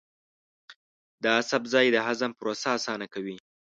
دا سبزی د هضم پروسه اسانه کوي.